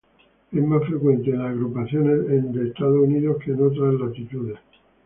Es más frecuente en las agrupaciones de Estados Unidos que en otras latitudes.